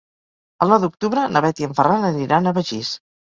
El nou d'octubre na Bet i en Ferran aniran a Begís.